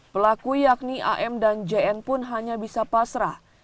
pelaku yakni am dan jn pun hanya bisa pasrah